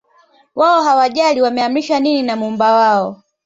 wao hawajali wameamrishwa nini na muumba wao